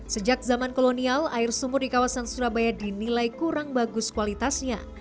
sejak zaman kolonial air sumur di kawasan surabaya dinilai kurang bagus kualitasnya